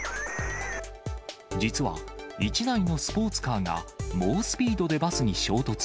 実は、一台のスポーツカーが猛スピードでバスに衝突。